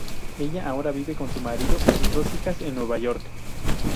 Ella ahora vive con su marido y sus dos hijas en Nueva York.